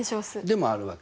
でもあるわけだね。